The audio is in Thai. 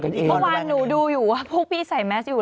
เมื่อวานหนูดูอยู่ว่าพวกพี่ใส่แมสอยู่